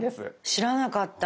知らなかった。